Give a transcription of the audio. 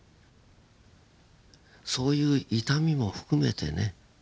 そういう痛みも含めてね